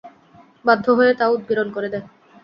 বাধ্য হয়ে তা উদগিরন করে দেয়।